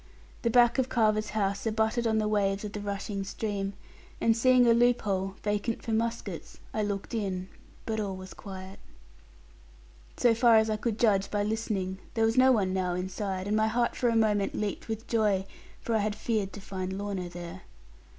The back of Carver's house abutted on the waves of the rushing stream; and seeing a loop hole, vacant for muskets, I looked in, but all was quiet. So far as I could judge by listening, there was no one now inside, and my heart for a moment leaped with joy, for I had feared to find Lorna there.